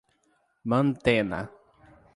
Mantena